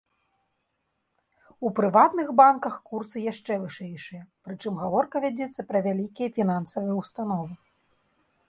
У прыватных банках курсы яшчэ вышэйшыя, прычым гаворка вядзецца пра вялікія фінансавыя ўстановы.